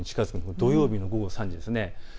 土曜日の午後３時です。